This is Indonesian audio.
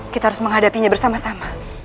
kita harus menghadapinya bersama sama